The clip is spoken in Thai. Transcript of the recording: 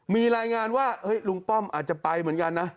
มีรายงานว่าลุงป้อมอาจจะไปเหมือนกันนะ